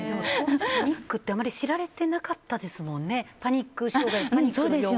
パニック障害ってあまり知られてなかったですもんね。